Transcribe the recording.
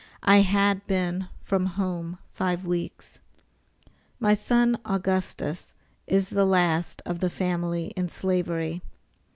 I had been from home five weeks. My son Augustus is the last of the family in Slavery.